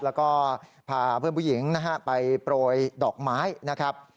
แล้วก็พาเพื่อนผู้หญิงนะฮะไปโปรยดอกไม้นะครับ